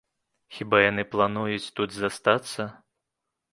Хіба яны плануюць тут застацца?